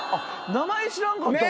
名前知らんかったわ。